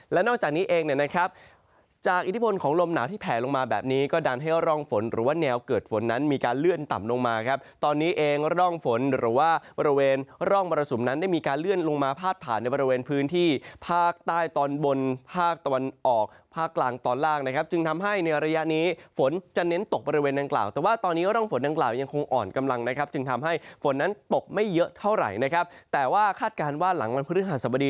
และนอกจากนี้เองนะครับจากอิทธิบนของลมหนาวที่แผลลงมาแบบนี้ก็ดันให้ร่องฝนหรือว่าแนวเกิดฝนนั้นมีการเลื่อนต่ำลงมาครับตอนนี้เองร่องฝนหรือว่าบริเวณร่องบรสุมนั้นได้มีการเลื่อนลงมาพาดผ่านในบริเวณพื้นที่ภาคใต้ตอนบนภาคตอนออกภาคกลางตอนล่างนะครับจึงทำให้ในระยะนี้ฝนจะเน้นตกบริ